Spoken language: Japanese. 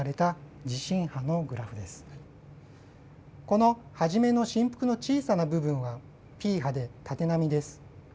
この初めの振幅の小さな部分はＰ波で縦波です。